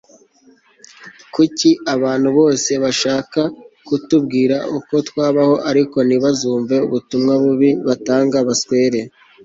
kuki abantu bose bashaka kutubwira uko twabaho ariko ntibazumve ubutumwa bubi batanga? (baswere!